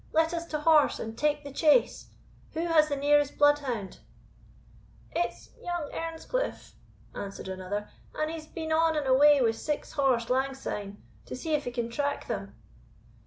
Let us to horse, and take the chase. Who has the nearest bloodhound?" "It's young Earnscliff," answered another; "and he's been on and away wi' six horse lang syne, to see if he can track them."